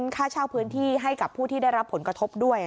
ค่าเช่าพื้นที่ให้กับผู้ที่ได้รับผลกระทบด้วย